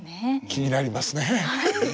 気になりますね。